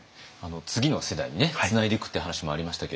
次の世代にねつないでいくっていう話もありましたけれども